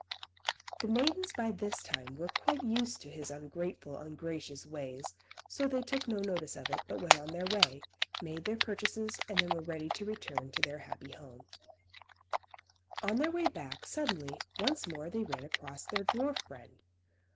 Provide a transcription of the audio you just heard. The maidens by this time were quite used to his ungrateful, ungracious ways; so they took no notice of it, but went on their way, made their purchases, and then were ready to return to their happy home. [Illustration: Painted by Jennie Harbour SNOW WHITE AND ROSE RED] On their way back, suddenly, once more they ran across their dwarf friend.